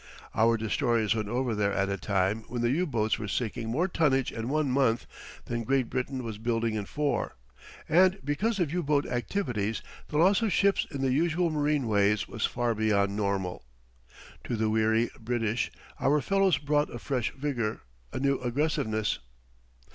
Our destroyers went over there at a time when the U boats were sinking more tonnage in one month than Great Britain was building in four; and because of U boat activities the loss of ships in the usual marine ways was far beyond normal. To the weary British our fellows brought a fresh vigor, a new aggressiveness.